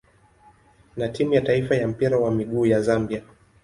na timu ya taifa ya mpira wa miguu ya Zambia.